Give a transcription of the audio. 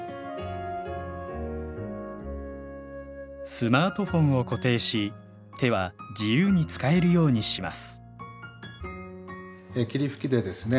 スマートフォンを固定し手は自由に使えるようにします霧吹きでですね